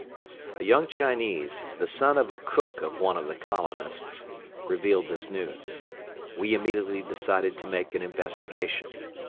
A young Chinese, the son of a cook of one of the colonists, revealed this news. We immediately decided to make an investigation.